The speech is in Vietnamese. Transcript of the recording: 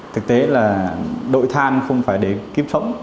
thực tế là đội than không phải để kiếm sống